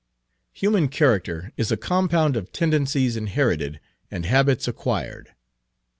Human character is a compound of tendencies inherited and habits acquired.